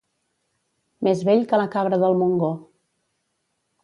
Més vell que la cabra del Montgó.